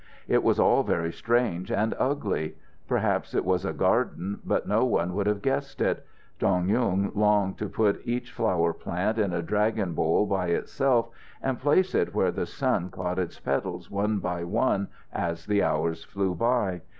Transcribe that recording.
It was all very strange and ugly. Perhaps it was a garden, but no one would have guessed it. Dong Yung longed to put each flower plant in a dragon bowl by itself and place it where the sun caught its petals one by one as the hours flew by.